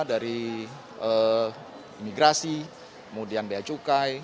dari imigrasi kemudian bea cukai